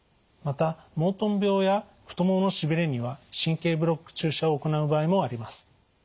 またモートン病や太もものしびれには神経ブロック注射を行う場合もあります。